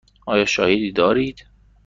آیا شاهدی دارید؟